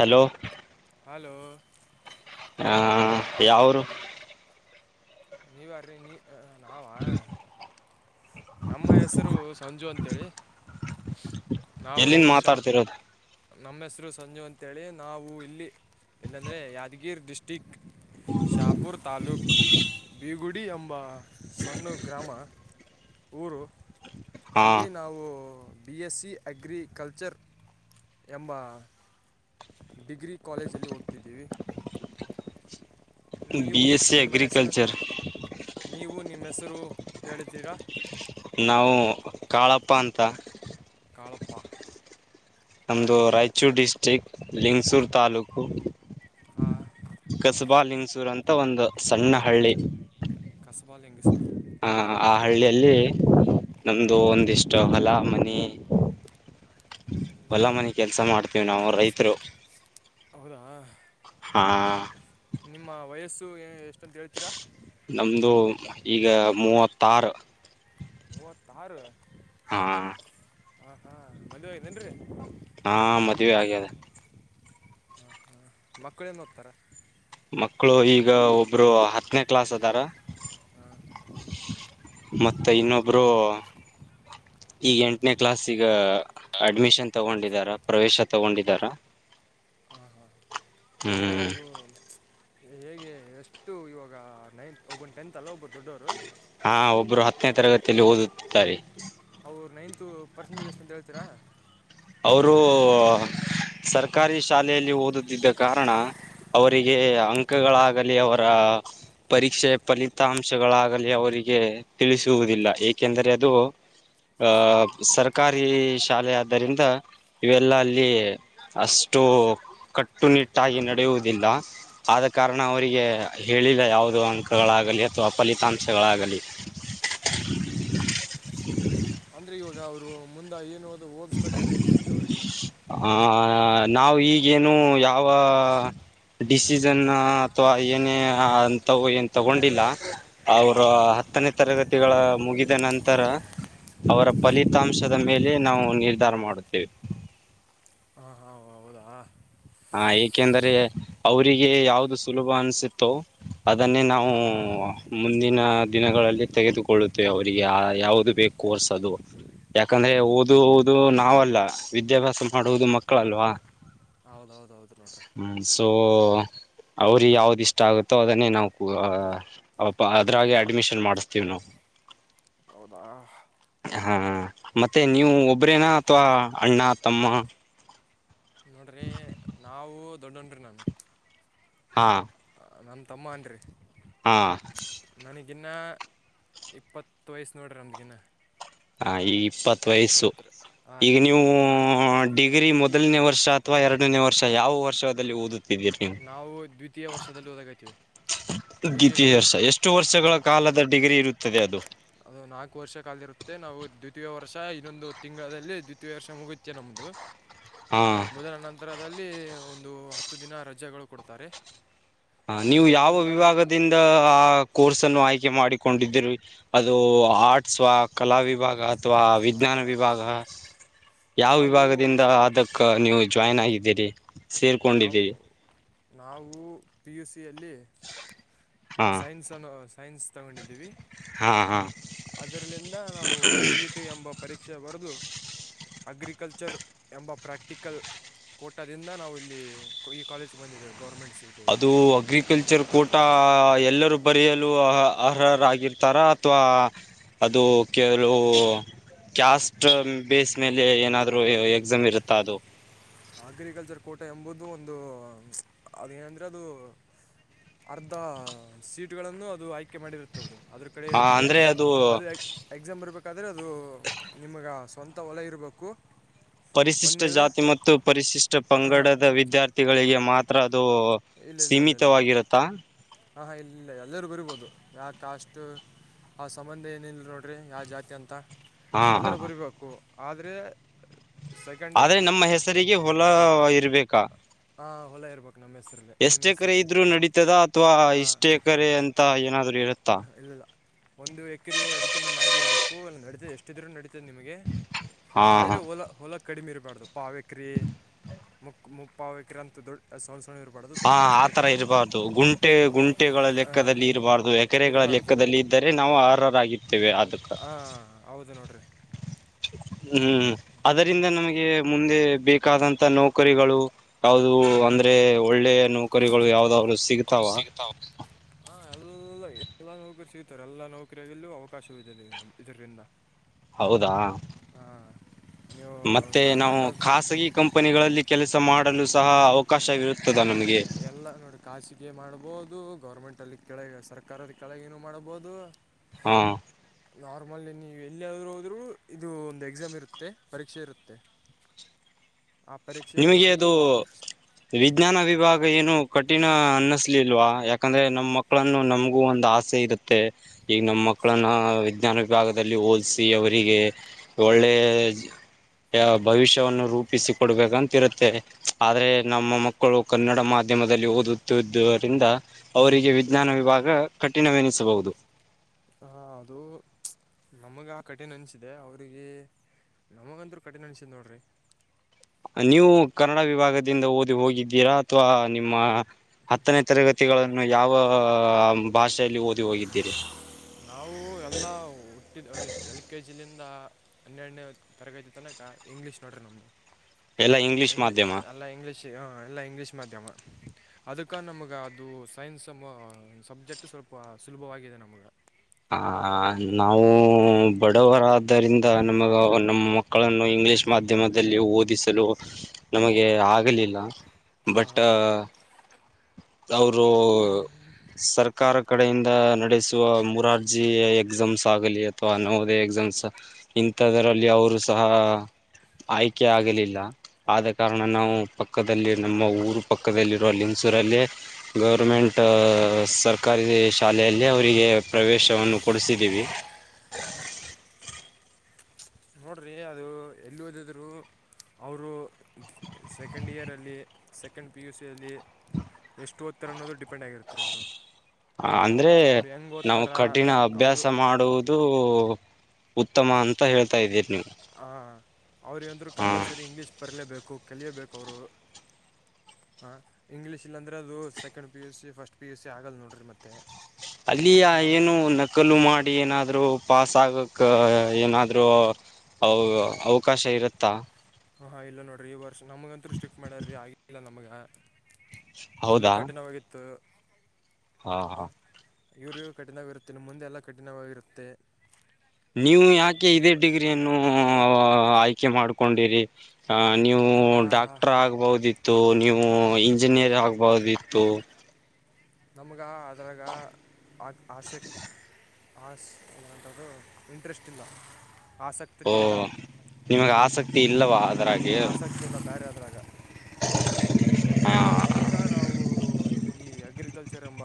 Hello hello ಹಾ ಯಾವ್ ಊರು? ನೀವ್ ಯಾರ್ರಿ, ನೀ ಆ ನಾವ? ನಮ್ಮ ಹೆಸರು ಸಂಜು ಅಂತ ಹೇಳಿ... ನಾವು ಎಲ್ಲಿಂದ ಶಾ. ಮಾತಾಡ್ತಿರೋದು ನಮ್ಮ ಹೆಸರು ಸಂಜು ಅಂತೇಳಿ ನಾವು ಇಲ್ಲಿ ಇಲ್ಲಂದರೆ ಯಾದಗಿರಿ ಡಿಸ್ಟಿಕ್. ಶಾಪುರ್ ತಾಲೂಕ ಬೀಗುಡಿ ಎಂಬ ಸಣ್ಣ ಗ್ರಾಮ. ಊರು ಹಾ ಅಲ್ಲಿ ನಾವು. ಬಿ ಎಸ್ ಸಿ ಅಗ್ರಿಕಲ್ಚರ್ ಎಂಬ. ಡಿಗ್ರಿ ಕಾಲೇಜಲ್ಲಿ ಓದ್ತಿದೀವಿ. ಬಿ ನೀವು ಎಸ್ ಸಿ ನಿಮ್ಮ ಹೆಸರು ಅಗ್ರಿಕಲ್ಚರ್ ನೀವು ನಿಮ್ಮ ಹೆಸರು ಹೇಳುತೀರಾ. ನಾವು ಕಾಳಪ್ಪ ಅಂತ. ಕಾಳಪ್ಪ ಹಾಂ ನಮ್ಮದು ರೀ ರಾಯಚೂರು ಡಿಸ್ಟ್ರಿಕ್ ಲಿಂಗಸೂರು ತಾಲೂಕು. ಹಾ ಕಸಬಾಲಿಂಗಸೂರು ಅಂತ ಒಂದು ಸಣ್ಣ ಹಳ್ಳಿ. ಕಸಬಾಲಿಂಗೇಶ್ವರು. ಹಾ ಆ ಹಳ್ಳಿಯಲ್ಲಿ ನಮ್ದು ಒಂದಿಷ್ಟು ಹೊಲ ಮನಿ. ಹೊಲ ಮನಿ ಕೆಲಸ ಮಾಡ್ತೀವಿ ನಾವು ರೈತರು. ಹೌದಾ ಹಾ ನಿಮ್ಮ ವಯಸ್ಸು ಎಷ್ಟಂತ ಹೇಳ್ತೀರಾ. ನಮ್ದು ಈಗ ಮೂವತ್ತಾರ. ಮೂವತ್ತಾರ ಹಾ ಹಾ ಹಾ ಮದುವ್ಯಾಗೇತೇನ್ರಿ ಹಾ ಮದುವ್ಯಾಗದ. ಹಾ ಹಾ ಮಕ್ಕಳೇನ ಓದ್ತಾರ? ಮಕ್ಕಳು ಈಗ ಒಬ್ರು ಹತ್ತನೇ ಕ್ಲಾಸ್ ಅದಾರ. ಹ ಮತ್ತೆ ಇನ್ನೊಬ್ರು ಈಗ ಎಂಟನೇ ಕ್ಲಾಸಿಗ ಈಗ ಅಡ್ಮಿಷನ್ ತಗೊಂಡಿದಾರ ಪ್ರವೇಶ ತಗೊಂಡಿದಾರ ಹಾಂ ಹಾಂ ಅಂದರೆ ಹ್ಮ್ ಅವರು. ಹೇಗೆ ಎಷ್ಟು ಇವಾಗ ನೈನ್ತ್ ಒಬ್ಬೊನು ಟೆಂತ್ ಅಲ್ಲ ಒಬ್ಬರು ದೊಡ್ಡವರು. ಹಾ ಒಬ್ಬರು ಹತ್ತನೇ ತರಗತಿಯಲ್ಲಿ ಓದುತ್ತಿದ್ದಾರೆ. ಅವರ ನೈನ್ತೂ ಪರ್ಸೆಂಟೇಜ್ ಅಷ್ಟು ಅಂತ ಹೇಳ್ತೀರಾ. ಅವರು..... ಸರ್ಕಾರಿ ಶಾ. ಲೆಯಲ್ಲಿ ಓದುತ್ತಿದ್ದ ಕಾರಣ ಅವರಿಗೆ ಅಂಕಗಳಾಗಲಿ ಅವರ....... ಪರೀಕ್ಷೆಯ ಫಲಿತಾಂಶಗಳಾಗಲಿ ಅವರಿಗೆ ತಿಳಿಸುವುದಿಲ್ಲ ಏಕೆಂದರೆ ಅದು, ಆ... ಸರ್ಕಾರಿ ಶಾಲೆ ಆದ್ದರಿಂದ ಇವೆಲ್ಲ ಅಲ್ಲಿ. ಅಷ್ಟು ಕಟ್ಟುನಿಟ್ಟಾಗಿ ನಡೆಯುವುದಿಲ್ಲ. ಆದ ಕಾರಣ ಅವರಿಗೆ ಹೇಳಿಲ್ಲ ಯಾವುದು ಅಂಕಗಳಾಗಲಿ ಅಥವಾ ಫಲಿತಾಂಶಗಳಾಗಲಿ. ಹ್ಮ ಹ್ಮ್ ಅಂದ್ರೆ ಇವಾಗ ಅವ್ರು ಮುಂದ ಏನು ಓದು ಓದಸ್ಬೇಕಂತ ಐತ್ರಿ ನಿಮ್ಗೆ ಅವ್ರಿಗೆ. ಆ ನಾವ ಈಗೇನು ಯಾವ ಡಿಸಿಜನ್ ಅಥವಾ. ನಿನ್ನೆ ಹಂತಾವು ಏನ್ ತೊಗೊಂಡಿಲ್ಲ. ಅವ್ರ ಹತ್ತನೇ ತರಗತಿಗಳ ಮುಗಿದ ನಂತರ. ಅವರ ಫಲಿತಾಂಶದ ಮೇಲೆ ನಾವು ನಿರ್ಧಾರ ಮಾಡುತ್ತೇವೆ. ಹಾ ಹಾ ಹೌದಾ. ಹಾ ಏಕೆಂದರೆ ಅವರಿಗೆ ಹಾಂ ಯಾವ್ದು ಸುಲಭ ಅನ್ಸತ್ತೋ ಅದನ್ನೇ ನಾವು ಮುಂದಿನ ದಿನಗಳಲ್ಲಿ ತೆಗೆದುಕೊಳ್ಳುತ್ತೇವೆ ಅವರಿಗೆ ಯಾವುದು ಬೇಕು ಕೋರ್ಸ್ ಅದು ಯಾಕಂದ್ರೆ ಓದುವುದು ನಾವಲ್ಲ ವಿದ್ಯಾಭ್ಯಾಸ ಮಾಡುವುದು ಮಕ್ಕಳಲ್ವಾ.. ಹೌದೌದ ನೋಡ್ರಿ ಹು ಸೊ ಅವ್ರಿಗೆ ಯಾವ್ದು ಇಷ್ಟ ಆಗುತ್ತೋ ಅದನ್ನೇ ನಾವು ಕೂ ಪಾ ಅದ್ರಾಗೆ ಅಡ್ಮಿಷನ್ ಮಾಡಿಸ್ತೀವಿ ನಾವು ಹೌದಾ ಹಾ ಮತ್ತೆ ನೀವು ಒಬ್ರೇನಾ ಅಥವಾ ಅಣ್ಣಾ ತಮ್ಮಾ ನೋಡ್ರಿ [inaudible] ನಾವು ದೊಡ್ಡಣ ನಾನು ಹಾ ನಮ್ಮ ತಮ್ಮ ಅನ್ರಿ ಹಾ ನನಗಿನ್ನ ಇಪ್ಪತ್ತ ವಯಸ್ಸ ನೋಡ್ರಿ ನನಗಿನ್ನ ಹಾ ಈ ಇಪ್ಪತ್ ವಯಸ್ಸು ಹತ್ತಿರ ಹಾಂ ರೀ ಈಗ ನೀವು ನಾನು ದ್ವಿ- ಡಿಗ್ರಿ ದ್ವಿತೀಯ ಮೊದಲನೇ ವರ್ಷಾ ಅಥವಾ ಎರಡನೇ ವರ್ಷ ಯಾವ ವರ್ಷದಲ್ಲಿ ಓದು ನಾವು ದ್ವಿತೀಯ ವರ್ಷದಲ್ಲಿ ಓದಗಾಯತೀವಿ ದ್ವಿತೀಯ ವರ್ಷ ಎಷ್ಟು ವರ್ಷಗಳ ಕಾಲದ ಡಿಗ್ರಿ ಇರುತ್ತದೆ ಅದು ಅದು ನಾಲ್ಕು ವರ್ಷ ಕಾಲದ ಇರುತ್ತೆ ನಾವು ದ್ವಿತೀಯ ವರ್ಷ ಇನ್ನೊಂದು ತಿಂಗಳದಲ್ಲಿ ದ್ವಿತೀಯ ವರ್ಷ ಮುಗುತ್ತೆ ನಮ್ದು [inaudible] ಹಾ ಮೊದಲ ನಂತರದಲ್ಲಿ ಒಂದು ಹತ್ತು ದಿನ ರಜೆಗಳು ಕೊಡ್ತಾರೆ ನೀವು ರಜೆ ಯಾವ ನಂತರ ವಿಭಾಗ ರಿಂದ ಆ ಕೋರ್ಸ್ ಅನ್ನು ಆಯ್ಕೆ ಮಾಡಿಕೊಂಡಿದಿರವಿ ಅದು ಆ ಸ್ವಾ ಕಲಾ ವಿಭಾಗ ಅಥವಾ ಅಲ್ಲ ವಿಜ್ಞಾನ ವಿಭಾಗ ಯಾವ ನಾವು ವಿಭಾಗದಿಂದ ಅದಕ್ಕೆ ನೀವು ಜಾಯ್ನ್ ಆಗಿದ್ದೀರಿ ನಾವು ಸೇರ್ಕೊಂಡಿದ್ದೀರಿ ನಾವು ಪಿ ಯು ಸಿಯಲ್ಲಿ ಹಾ ಸೈನ್ಸನ್ನು ಸೈನ್ಸ್ ತಗೊಂಡಿದ್ದೀವಿ ಹಾ ಹಾ ಅದರಲಿಂದ್ರ ನಾವು ಸಿಇ ಟಿ ಎಂಬ ಪರೀಕ್ಷೆ ಬರೆದು ಅಗ್ರಿಕಲ್ಚರ್ ಎಂಬ ಪ್ರಾಕ್ಟಿಕಲ್ ಕೊಟ್ಟದಿಂದ ನಾವು ಇಲ್ಲಿ ಈ ಕಾಲೇಜ್ ಗೆ ಬಂದೀವಿ ಗೌರ್ಮೆಂಟ್ ಸೀಟ್ ಅದು ಅಗ್ರಿಕಲ್ಚರ್ ಕೂಟಾ ಎಲ್ಲರೂ ಬರೆಯಲು ಅ ಅರ್ಹರಾಗಿರ್ತಾರ ಅಥವಾ ಅದು ಕೆಲವು ಕ್ಯಾಸ್ಟ್ ಬೇಸ್ ಮೇಲೆ ಏನಾದ್ರು ಎಕ್ಸಾಮ್ ಇರುತ್ತಾ ಅದು ಅಗ್ರಿಕಲ್ಚರ್ ಕೋಟೆ ಎಂಬುದು ಒಂದು ಅದೇನಂದ್ರೆ ಅದು ಅರ್ಧ ಸೀಟ್ಗಳನ್ನು ಅದು ಆಯ್ಕೆ ಮಾಡಿರುತ್ತದೇ ಅದರ ಕಡೆ ಹ ಇರುತ್ತೆ ಅಂದ್ರೆ ಅದು ಎಕ್ಸಾಮ್ ಬರಬೇಕಾದ್ರೆ ಅದು ನಿಮಗೆ ಸ್ವಂತ ಹೊಲಾ ಇರಬೇಕು ಪರಿಶಿಷ್ಟ ಒಂದನೇದು ಜಾತಿ ಮತ್ತು ಪರಿಶಿಷ್ಟ ಹಾಂ ಪಂಗಡದ ವಿದ್ಯಾರ್ಥಿಗಳಿಗೆ ಮಾತ್ರ ಅದು ಸೀಮಿತವಾಗಿರತ್ತಾ ಹಾ ಹ ಇಲ್ಲ ಎಲ್ಲರೂ ಬರಿಬೋದು ಯಾವ ಕಾಸ್ಟ್ ಆ ಸಂಬಂಧ ಏನಿಲ್ರಿ ನೋಡ್ರಿ ಯಾವ ಜಾತಿ ಅಂತಾ ಹಾ ಹಾ ಎಲ್ಲರೂ ಬರೀಬೇಕು ಆದರೆ ಸೆಕೆಂಡ್ ಆದ್ರೆ ನಮ್ಮ ಹೆಸರಿಗೆ ಹೊಲಾ ಇರ್ಬೇಕಾ ಹಾಂ ಹೊಲ ಇರ್ಬೇಕು ನಮ್ಮ ಹೆಸರಲ್ಲಿ ನಿಮ್ಮ ಎಷ್ಟ ಎಕರೆ ಹೆಸರಲ್ಲಿ ಇದ್ರು ನಡೀತದ ಅಥ್ವಾ ಇಷ್ಟ ಎಕರೆ ಅಂತ. ತಾ ಏನಾದರು ಇತ್ತೆ. ಹಾಂ ಇಲ್ಲಿಲ್ಲ ಒಂದು ಎಕರೆ ಅದಕ್ಕಿಂತಮ್ಮ ಮ್ಯಾಗಿ ಇರಬೇಕು ಅಲ್ಲಿ ನಡೀತದೆ ಎಷ್ಟಿದರೂ ನಡೀತದೆ ನಿಮಗೆ. ಹಾ ಆದ್ರೆ ಹೊಲ ಹೊಲ ಕಡಿಮೆ ಇರಬಾರ್ದು ಪಾವೇಕ್ರಿ. ಮುಕ್ ಮುಪ್ಪಾವ ಕಿಂತು ದೊಡ್ಡು. ಸೋಲ್ ಸುರ್ ಇರಬಾಡದ. ಹಾ ಆತರ ಇರಬಾರ್ದು ಗುಂಟೆ ಗುಂಟೆಗಳ ಹಾಂ ಲೆಕ್ಕದಲ್ಲಿ ಇರಬಾರ್ದು. ಕೆರೆಗಳ ಇರಬಾರ್ದು ಲೆಕ್ಕದಲ್ಲಿ ಇದ್ದರೆ ನಾವು ಆರ್ಹರ ಆಗತ್ತೇವೆ ಅದಕ್ಕ. ಹಾ ಹೌದು ನೋಡಿರಿ ಹ್ಮ್ ಅದರಿಂದ ನಮಗೆ ಮುಂದೆ ಬೇಕಾದಂತ ನೌಕರಿಗಳು. ಹೌದು ಅಂದ್ರೆ ಒಳ್ಳೆಯ ನೌಕರಿಗಳು ಯಾವ್ದ್ರು ಅವ್ನು ಸಿಗ್ತಾವ. [unintelligible] ಹಾ ಎಲ್ಲ ಎಲ್ಲಾ ನೌಕರಿ ಸಿಗತಾರೆ ಎಲ್ಲಾ ನೌಕರಿಯಲ್ಲೂ ಅವಕಾಶವದೆ ಇದರಿಂದ. ಹೌದಾ ಹಾ ನೀವು ಮತ್ತೆ ನಾವು ಗೌರ್ಮೆಂಟ್ ಖಾಸಗಿ. ಕಂಪನಿಗಳಲ್ಲಿ ಕೆಲಸ ಮಾಡಲು ಸಹ ಅವಕಾಶವಿರುತ್ತದ ನಮಗೆ. ಎಲ್ಲ ನೋಡಿ ಖಾಸಿಗೆ ಮಾಡ್ಬಹದು ಗೌರ್ಮೆಂಟ್ ಅಲ್ಲಿ ಕೆಳಗೆ ಸರ್ಕಾರದ ಕೆಳಗೇನು ಮಾಡಬಹುದು. ಹಾ ನಾರ್ಮಲ್ ನೀವು ಎಲ್ಲಿದ್ರುೂ ಹೋದ್ರು ಇದು ಒಂದು ಎಕ್ಸಾಮ್ ಇರುತ್ತೆ ಪರೀಕ್ಷೆ ಇರುತ್ತೆ. ಆ ಪರೀಕ್ಷೆ ಬ- ನಿಮಗೆ ಅದು ವಾಪಸ್ ವಿಜ್ಞಾನ ವಿಭಾಗ ಏನು ಕಠಿಣ ಅನ್ನಸ್ತ. ಇಲ್ವಾ ಯಾಕಂದ್ರೆ ನಮ್ಮ ಮಕಳುನ್ನು ನಮಗೂ ಒಂದ ಆಸೆ ಇರುತ್ತೆ. ಮತ್ತೆ ಈಗ ನಮ್ಮ ಮಕ್ಕಳನ್ನ ವಿಜ್ಞಾನ ವಿಭಾಗದಲ್ಲಿ ಓದಸಿ ಅವರಿಗೆ. ಒಳ್ಳೆಯ ಭವಿಷ್ಯವನ್ನು ರೂಪಿಸಿಕ ಕೊಡ್ಬೇಕು. ಗಂತರುತ್ತೆ ಆದ್ರೆ ನಮ್ಮ ಮಕ್ಕಳು ಕನ್ನಡ ಮಾಧ್ಯಮದಲ್ಲಿ ಓದುತ್ತಿದ್ದರಿಂದ. ಅವರಿಗೆ ವಿಜ್ಞಾನ ವಿಭಾಗ ಕಠಿಣವೆನಿಸಬಹುದು. ಹ ಅದು ನಮಗೆ ಆ ಕಠಿಣ ಅನ್ಸಿದೆ ಅವ್ರರಿಗೆ. ನಮಗಂದರು ಕಟಿನ್ ಅನಿಸ್ತ್ ನೋಡರಿ. ನೀವು ಕನ್ನಡ ವಿಭಾಗದಿಂದ ಓದಿ ಹೋಗಿದ್ದೀರಾ ಅಥವಾ ನಿಮ್ಮ. ಹತ್ತನೇ ತರಗತಿಗಳನ್ನು ಯಾವ ಭಾಷೆಯಲ್ಲಿ ಓದಿ ಹೋಗಿದ್ದೀರಿ. ನಾವು ಎಲ್ಲ ಹುಟ್ಟಿದ ಅ ಎಲ್ ಕೆ ಜಿಲಿಂದ. ಹನ್ನೆರಡನೇ ತರಗತಿ ತನಕ ಇಂಗ್ಲಿಷ್ ನೋಡ್ರಿ ನಮ್ದು ಎಲ್ಲ ಇಂಗ್ಲಿಷ್ ಇಂಗ್ಲಿ ಮಾಧ್ಯಮ ಅಲ್ಲ ಇಂಗ್ಲಿಷ್. ಹ ಎಲ್ಲಾ ಇಂಗ್ಲೀಷ್ ಮಾಧ್ಯಮ ಅದಕ್ಕ ನಮಗ ಅದು ಸೈನ್ಸ್ ಸಬ್ಜೆಕ್ಟ್ ಸ್ವಲ್ಪ ಸುಲಭವಾಗಿದೆ ನಮ್ಗೆ. ಆ ನಾವು ಬಡವರಾದ. ಇದರಿಂದ ನಮಗ ನಮ್ಮ ಮಕ್ಕಳನ್ನು ಇಂಗ್ಲಿಷ್ ಮಾಧ್ಯಮದಲ್ಲಿ ಓದಿಸಲು. ನಮಗೆ ಆಗಲಿಲ್ಲ ಬಟ್. ಅವರು.... ಸರ್ಕಾರಕ್ಕೆ ಕಡೆಯಿಂದ ನಡೆಸುವ ಮೂರಾರ್ಜಿ ಎಕ್ಸಾಮ್ಸ್ ಆಗಲಿ ಅಥವಾ ನವೋದೆಯೇ ಎಕ್ಸಾಮ್ಸ್. ಇಂಥದರಲ್ಲಿ ಅವರು ಸಹ. ಆಯ್ಕೆ ಆಗಲಿಲ್ಲ ಆದ ಕಾರಣ ನಾವು ಪಕ್ಕದಲ್ಲಿ ನಮ್ಮ ಊರು ಪಕ್ಕದಲ್ಲಿರೋಲ್ಲಿ. ಸೂರಲ್ಲಿ ಗೌರ್ಮೆಂಟ್.... ಸರ್ಕಾರಿ ಶಾಲೆಯಲ್ಲಿ ಅವರಿಗೆ ಪ್ರವೇಶವನ್ನು ಕೊಡಿಸಿದ್ದೀವಿ. ಹಓಹ ನೋಡ್ರಿ ಅದು ಎಲ್ಲಿ ಓದಿದ್ರೋ. ಅವರು ಸೆಕೆಂಡ್ ಇಯರಲ್ಲಿ ಸೆಕೆಂಡ್ ಪಿ ಯು ಸಿಯಲ್ಲಿ. ಎಷ್ಟು ಓದುತ್ತಿರ ಅನ್ನೋದು ಡಿಪೆಂಡ್ ಆಗಿರ್ತೀ ಅವರು. ಹ ಅಂದ್ರೆ ಅವ್ರು ಹೆಂಗೆ ನಾವು ಓದ್ತಾರ ಕಠಿಣ ಅಭ್ಯಾಸ ಅವರು ಮಾಡುವುದು. ಇದು ಉತ್ತಮ ಅಂತ ಹೇಳ್ತಾ ಇದ್ದೀರಿ ನೀವು. ಹಾ ಅವರು ಏನಾದ್ರು ಹಾಂ ಕಂಪಲ್ಸರಿ ಇಂಗ್ಲೀಷ್ ಬರಲೇಬೇಕು ಕಲಿಯೇಬೇಕು ಅವರು. ಹಾ ಇಂಗ್ಲೀಷ್ ಇಲ್ಲ ಅಂದ್ರೆ ಅದು second P U C first P U C ಆಗಲ್ಲ ನೋಡಿರಿ ಮತ್ತೆ. ಅಲ್ಲಿ ಹಾಂ ರೀ ಏನು. ಕಲ್ಲು ಮಾಡಿ ಏನಾದ್ರು ಪಸ್ ಆಗಕ್ ಏನಾದ್ರು. ಅವ ಅವಕಾಶ ಇರುತ್ತಾ. ಹ ಹಾ ಇಲ್ಲ ನೋಡ್ರಿ ಈ ವರ್ಷ ನಮಗಂತೂ ಸ್ಟಿಕ್ ಮಾಡಾರ್ರಿ ಆಗಿಲ್ಲ ನಮಗ. ಫುಲ್ಲು ಹೌದಾ ಕಠಿಣವಾಗಿತ್ತು ಹಾ. ಇವರಿಯೂ ಕಠಿಣವಾಗಿರುತ್ತೆ ಇನ್ನು ಮುಂದೆ ಎಲ್ಲ ಕಠಿಣವಾಗಿರುತ್ತೆ. ನೀವು ಯಾಕೆ ಇದೇ ನೀವು ಡಿಗ್ರಿಯನ್ನು ಆಯ್ಕೆ ಮಾಡ್ಕೊಂಡಿರಿ. ಆ ನೀವು ನಾವು ಯಾ ಡಾಕ್ಟರ್ ಆಗ್ಬಹುದಿತ್ತು ನೀವು ಇಂಜಿನಿಯರ್ ಆಗ್ಬಹುದಿತ್ತು. ನಮ್ಗೆ ಅದ್ರಾಗ ಆಸಕ್ತಿ. ಇಂಟ್ರೆಸ್ಟ್ ಇಲ್ಲ ಆಸಕ್ತಿ. ಓ ಇಲ್ಲ ನಿಮಗ್ ಆಸಕ್ತಿ ಇಲ್ಲವ್ವ. ಆಸಕ್ತಿ ಇಲ್ಲ ಆದ್ರಾಗ. ಅದಕ್ಕೆ ನಾವು ಈ ಅಗ್ರಿಕಲ್ಚರ್ ಎಂಬ.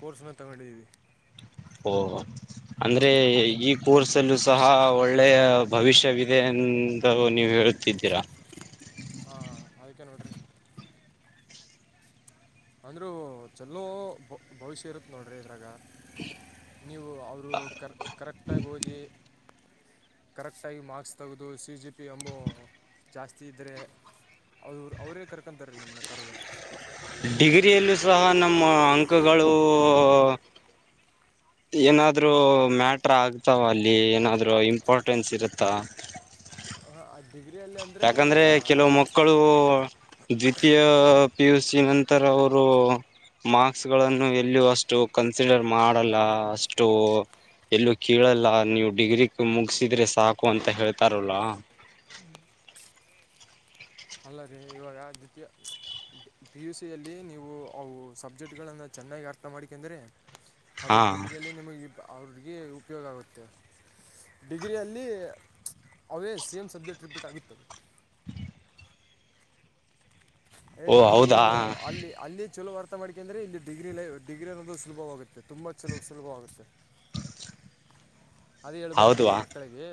ಕೋರ್ಸ್ನ ತಗೊಂಡಿದ್ದೀವಿ. ಅಂದ್ರೆ ಅಂದ್ರೆ ಈ ಕೋರ್ಸ್ಸನ್ನು ಕೂಡ ಒಳ್ಳೆಯ ಭವಿಷ್ಯವಿದೆ ಅಂತ ನೀವು ಹೇಳುತ್ತಿದ್ದೀರಾ. ಹಾ ಆಯ್ಕ ನೋಡ್ರಿ. ಅಂದ್ರೂ ಚಲೋ ಭವಿಷ್ಯ ಇರುತ್ತ ನೋಡ್ರಿ ಇದ್ರಾಗ. ನೀವು ಅವರು ಕರೆಕ್ಟಾಗಿ ಹೋಗಿ. ಕರೆಕ್ಟಾಗಿ ಮಾರ್ಕ್ಸ್ ತೆಗೆದು ಸಿ ಜಿ ಪಿ ಅಮ್ಮು ಜಾಸ್ತಿ ಇದ್ದ್ರರೆ. ಅ ಅವ್ರೇ ಕರ್ಕೊಂತಾರೀ ನಿಮನ್ನ ಕರೆದು. ಡಿಗ್ರಿಯಲ್ಲೂ ಸಹ ನಮ್ಮ ಅಂಕಗಳು. ಏನಾದ್ರು ಮ್ಯಾಟ್ರ ಆಗ್ತಾವ ಅಲ್ಲಿ ಏನಾದ್ರು ಇಂಪಾರ್ಟೆನ್ಸ್ ಇರುತ್ತ. ಹಾ ಡಿಗ್ರಿ ಅಲ್ಲಿ ಅಂತ. ಯಾಕಂದ್ರೆ ಕೆಲವು ಮಕ್ಕಳು ದ್ವಿತೀಯ. ಪಿ ಯು ಸಿ ನಂತರ ಅವರು. ಮಾರ್ಕ್ಸ್ಗಳನ್ನು ಎಲ್ಲಿಯೂ ಅಷ್ಟು ಕನ್ಸಿಡರ್ ಮಾಡಲ್ಲ ಅಷ್ಟು. ಎಲ್ಲೂ ಕೇಳಲ್ಲ ನೀವು ಡಿಗ್ರಿ ಮುಗಿಸಿದ್ರೆ ಸಾಕು ಅಂತ ಹೇಳ್ತಾರಲ್ಲ. ಹ್ಮ್ ಅಲ್ಲರೀ ಇವಾಗ ದ್ವಿತೀಯ. ಪಿ ಯು ಸಿಯಲ್ಲಿ ನೀವು ಅವು ಸಬ್ಜೆಕ್ಟ್ಗಳನ್ನು ಚೆನ್ನಾಗಿ ಅರ್ಥ ಮಾಡಿಕೊಂಡ್ರರೆ. ಅದು ಹಾ ಡಿಗ್ರಿಯಲ್ಲಿ ನಿಮಗೆ ಅವ್ರಿಗೆ ಉಪಯೋಗ ಆಗುತ್ತೆ. ಡಿಗ್ರಿಯಲ್ಲಿ ಅವೇ ಸೇಮ್ ಸಬ್ಜೆಕ್ಟ್ ರಿಪೀಟ್ ಆಗುತ್ತವೆ. ಓ ಅದು ಹೌದಾ ಅಲ್ಲಿ ಅಲ್ಲಿ ಚಲೋ. ಆರ್ಥ ಮಾಡಿಕಂದ್ರೆ ಅಂದ್ರೆ ಇಲ್ಲಿ ಡಿಗ್ರಿ ಲೈಫ್ ಡಿಗ್ರಿ ಅನ್ನೋದು ಸುಭವಾಗುತ್ತೆುಂಬ ತುಂಬಾ ಸುಲಭವಾಗುತ್ತೆ. ಅದ ಹೇಳ್ಬೇಕ್ರೀ ಹೌದವಾ ನಿಮ್ಮ ಮಕ್ಕಳಿಗೆ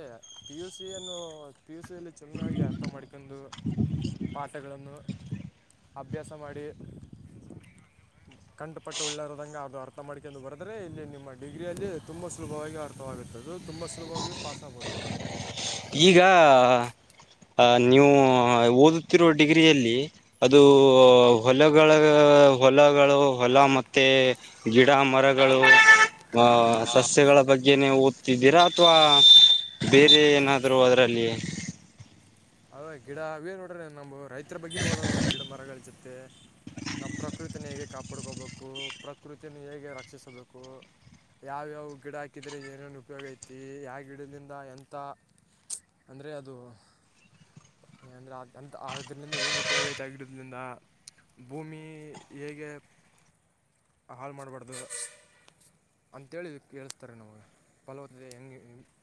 ಪಿ ಯು ಸಿಯನ್ನು. ಪಿ ಯು ಸಿ ಯನ್ನು ಚೆನ್ನಾಗಿ ಅರ್ಥ ಮಾಡ್ಕೊಂಡು ಪಾಠಗಳನ್ನು. ಅಭ್ಯಾಸ ಮಾಡಿ. ಕಂಡುಪಟ್ಟು ಒಳ್ಳೆರದಗೆ ಅದು ಅರ್ಥ ಮಾಡ್ಕೊಂಡು ಬರೆದ್ರೆ ಇಲ್ಲಿ ನಿಮ್ಮ ಡಿಗ್ರಿಯಲ್ಲಿ ತುಂಬಾ ಸುಲಭವಾಗಿ ಅರ್ಥ. ದಾನ ತುಂಬಿ ತುಂಬಾ ಸುಲಭವಾಗಿ ಪಾಸ್ ಆಗ್ಬೋದು. ಈಗ ಅಲ್ವಾ ಓದುತ್ತಿರೋ ಡಿಗ್ರಿಯಲ್ಲಿ. ಅದು ಹೊಲಗಳ ಹೊಲಗಳು ಹೊಲ ಮತ್ ಮತ್ತೆ ಗಿಡ ಮರಗಳು ಆ ಸಸ್ಯಗಳ ಬಗ್ಗೆ. ದಿನ ಓದ್ತಿದ್ದೀರಾ ಅಥವಾ ಬೇರೆ ಏನಾದ್ರು ಅವರಲ್ಲಿ. ಅವೇ ಗಿಡ ಅವೇ ನೋಡ್ರಿ ನಮ್ ರೈತರು ಬಗ್ಗೆ ಓದೋದು ಅವು ಗಿಡ ಮರಗಳ್ ಜೊತೆ. ನಾವು ಪ್ರಕೃತಿನೇ ಹೇಗೆ ಕಾಪಾಡ್ಕೋಬೇಕು ಪ್ರಕೃತಿನೇ ಹೇಗೆ ರಕ್ಷಿಸಬೇಕು. ಯಾವ್ಯಾವ ಗಿಡ ಹಾಕಿದ್ರೆ ಏನೇನು ಉಪಯೋಗ ಐತಿ ಆ ಗಿಡದಿಂದ ಎಂಥ ಅಂದ್ರೆ ಅದು. ಅಂದ್ರೆ ಆ ಅಂತ್ ಅದರಿಂದ ಏನು ಉಪಯೋಗ ಐತೆ ಆ ಗಿಡದಿಂದ. ಭೂಮಿ ಹೇಗೆ ಹಾಳು ಮಾಡಬಾರದು. ಅಂತೇಳಿ ಕೇಳಿಸತಾರೆ ನಮ ಫಲವತ್ನಿ ಹೆಂಗೆ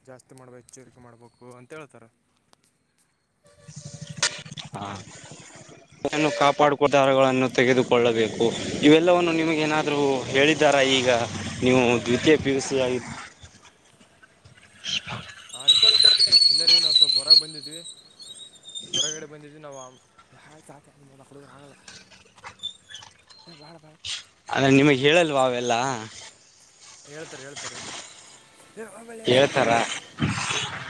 ಜಾಸ್ತಿ ಮಾಡ್ಬೇ ಹೆಚ್ಚರಿಕೆ ಮಾಡ್ಬೇಕು ಅಂತ ಹೇಳ್ತಾರ. [inaudible] ಹಾ ಏನು ಕಾಪಾಡ ಪುಟಹಾರಗಳನ್ನು ತೆಗೆದುಕೊಳ್ಳಬೇಕು ಇವೆಲ್ಲವನ್ನು ನಿಮಗೆ ನಾ ಇವು ಎಲ್ಜಾರು ಆಗಿ ಈಗ ನೀವು ದ್ವಿತೀಯ ಪಿಯುಸಿ ಗಾಗಿ ಹಾ ರೀ ಇಲ್ಲ ರೀ ನಾವು ಸ್ವಲ್ಪ ಹೊರಗ್ ಬಂದಿದ್ವಿ. ಹೊರಗಡೆ ಬಂದಿದ್ವಿ ಅವ್ವ ಹೇಹೆಂಗು [unintelligible] ಆಗಲ್ಲ ಹೇ ಬೇಡ ಬಾ. ಆಲ್ಲ ನಿಮಗ್ ಹೇಳಲ್ವ ಅವೆಲ್ಲಾ. ಹೇಳ್ತಾರೆ ಹೇಳ್ತಾರೆ ಹೇ ಆಮೇಲೆ ಸಾಧನೆ ಹೇಳ್ತಾರಾ ಮಾಡಿಕೊಂಡು ಹ.